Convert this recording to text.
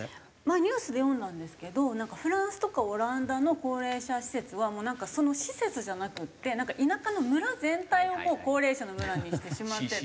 前ニュースで読んだんですけどなんかフランスとかオランダの高齢者施設はもうなんかその施設じゃなくて田舎の村全体を高齢者の村にしてしまってて。